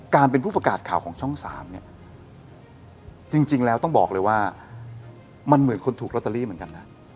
การเป็นผู้ประกาศข่าวของช่อง๓เนี่ยจริงแล้วต้องบอกเลยว่ามันเหมือนคนถูกลอตเตอรี่เหมือนกันนะ